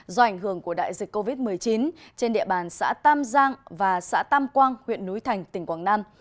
do ảnh hưởng của đại dịch covid một mươi chín trên địa bàn xã tam giang và xã tam quang huyện núi thành tỉnh quảng nam